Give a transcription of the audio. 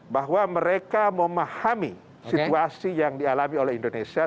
bahwa mereka memahami situasi yang dialami oleh indonesia